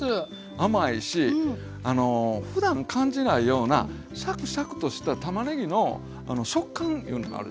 甘いしふだん感じないようなシャクシャクとしたたまねぎの食感いうのがあるでしょ。